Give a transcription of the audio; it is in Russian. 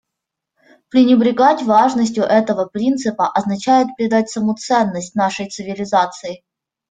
Пренебрегать важностью этого принципа означает предать саму ценность нашей цивилизации.